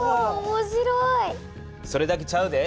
それだけちゃうで。